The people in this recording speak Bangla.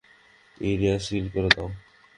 এরিয়া সিল করে দাও।